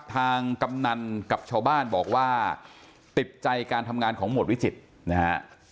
กำนันกับชาวบ้านบอกว่าติดใจการทำงานของหมวดวิจิตรนะฮะ